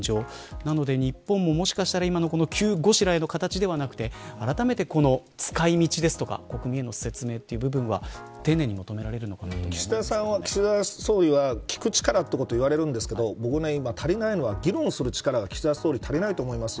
なので日本ももしかしたら急ごしらえの形ではなくてあらためて使い道や国民への説明という部分は丁寧に求められるのかなと岸田総理は、聞く力と言われるんですけど僕、今足りないのは議論する力が岸田総理足りないと思いますよ。